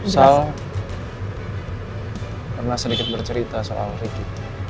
sal pernah sedikit bercerita soal ricky